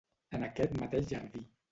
En aquest mateix jardí.